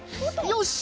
よし！